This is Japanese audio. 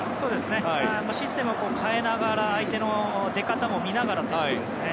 システムを変えながら相手の出方も見ながらってことですね。